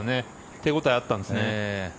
手応えがあったんですね。